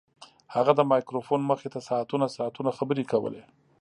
هغه د مایکروفون مخې ته ساعتونه ساعتونه خبرې کولې